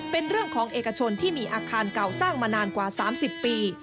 เป็นเรื่องของเอกชนที่มีอาคารเก่าสร้างมานานกว่า๓๐ปี